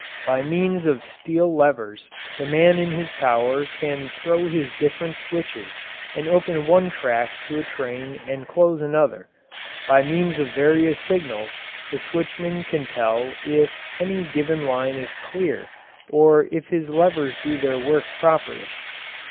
By means of steel levers the man in his tower can throw his different switches and open one track to a train and close another; by means of various signals the switchman can tell if any given line is clear or if his levers do their work properly.